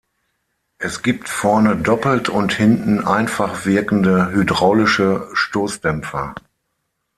Es gibt vorne doppelt und hinten einfach wirkende hydraulische Stoßdämpfer.